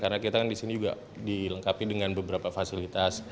karena kita kan disini juga dilengkapi dengan beberapa fasilitas